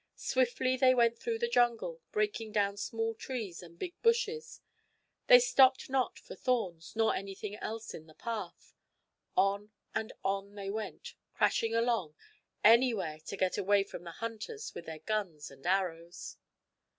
Swiftly they went through the jungle, breaking down small trees and big bushes. They stopped not for thorns, nor anything else in the path. On and on they went, crashing along anywhere to get away from the hunters with their guns and arrows.